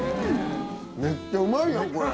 めっちゃうまいこれ。